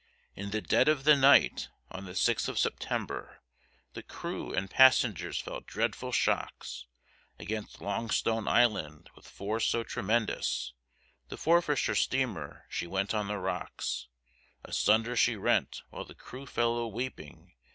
In the dead of the night on the 6th of September, The crew and passengers felt dreadful shocks, Against Longstone Island with force so tremendous, The Forfarshire steamer she went on the rocks, Asunder she rent while the crew fell a weeping.